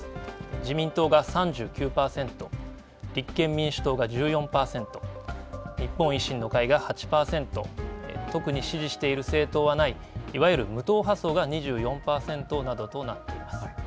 自民党が３９％、立憲民主党が１４％、日本維新の会が８％、特に支持している政党はない、いわゆる無党派層が２４％などとなっています。